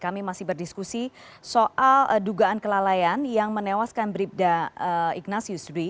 kami masih berdiskusi soal dugaan kelalaian yang menewaskan beribda ignatius dwi